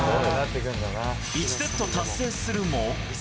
１セット達成するも。